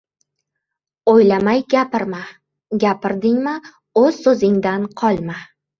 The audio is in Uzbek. • O‘ylamay gapirma, gapirdingmi o‘z so‘zingdan qolma.